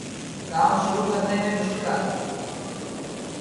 کام شروع کرے میں مشکل آتی ہے